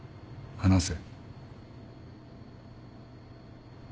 話せ！